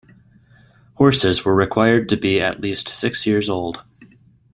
Horses were required to be at least six years old.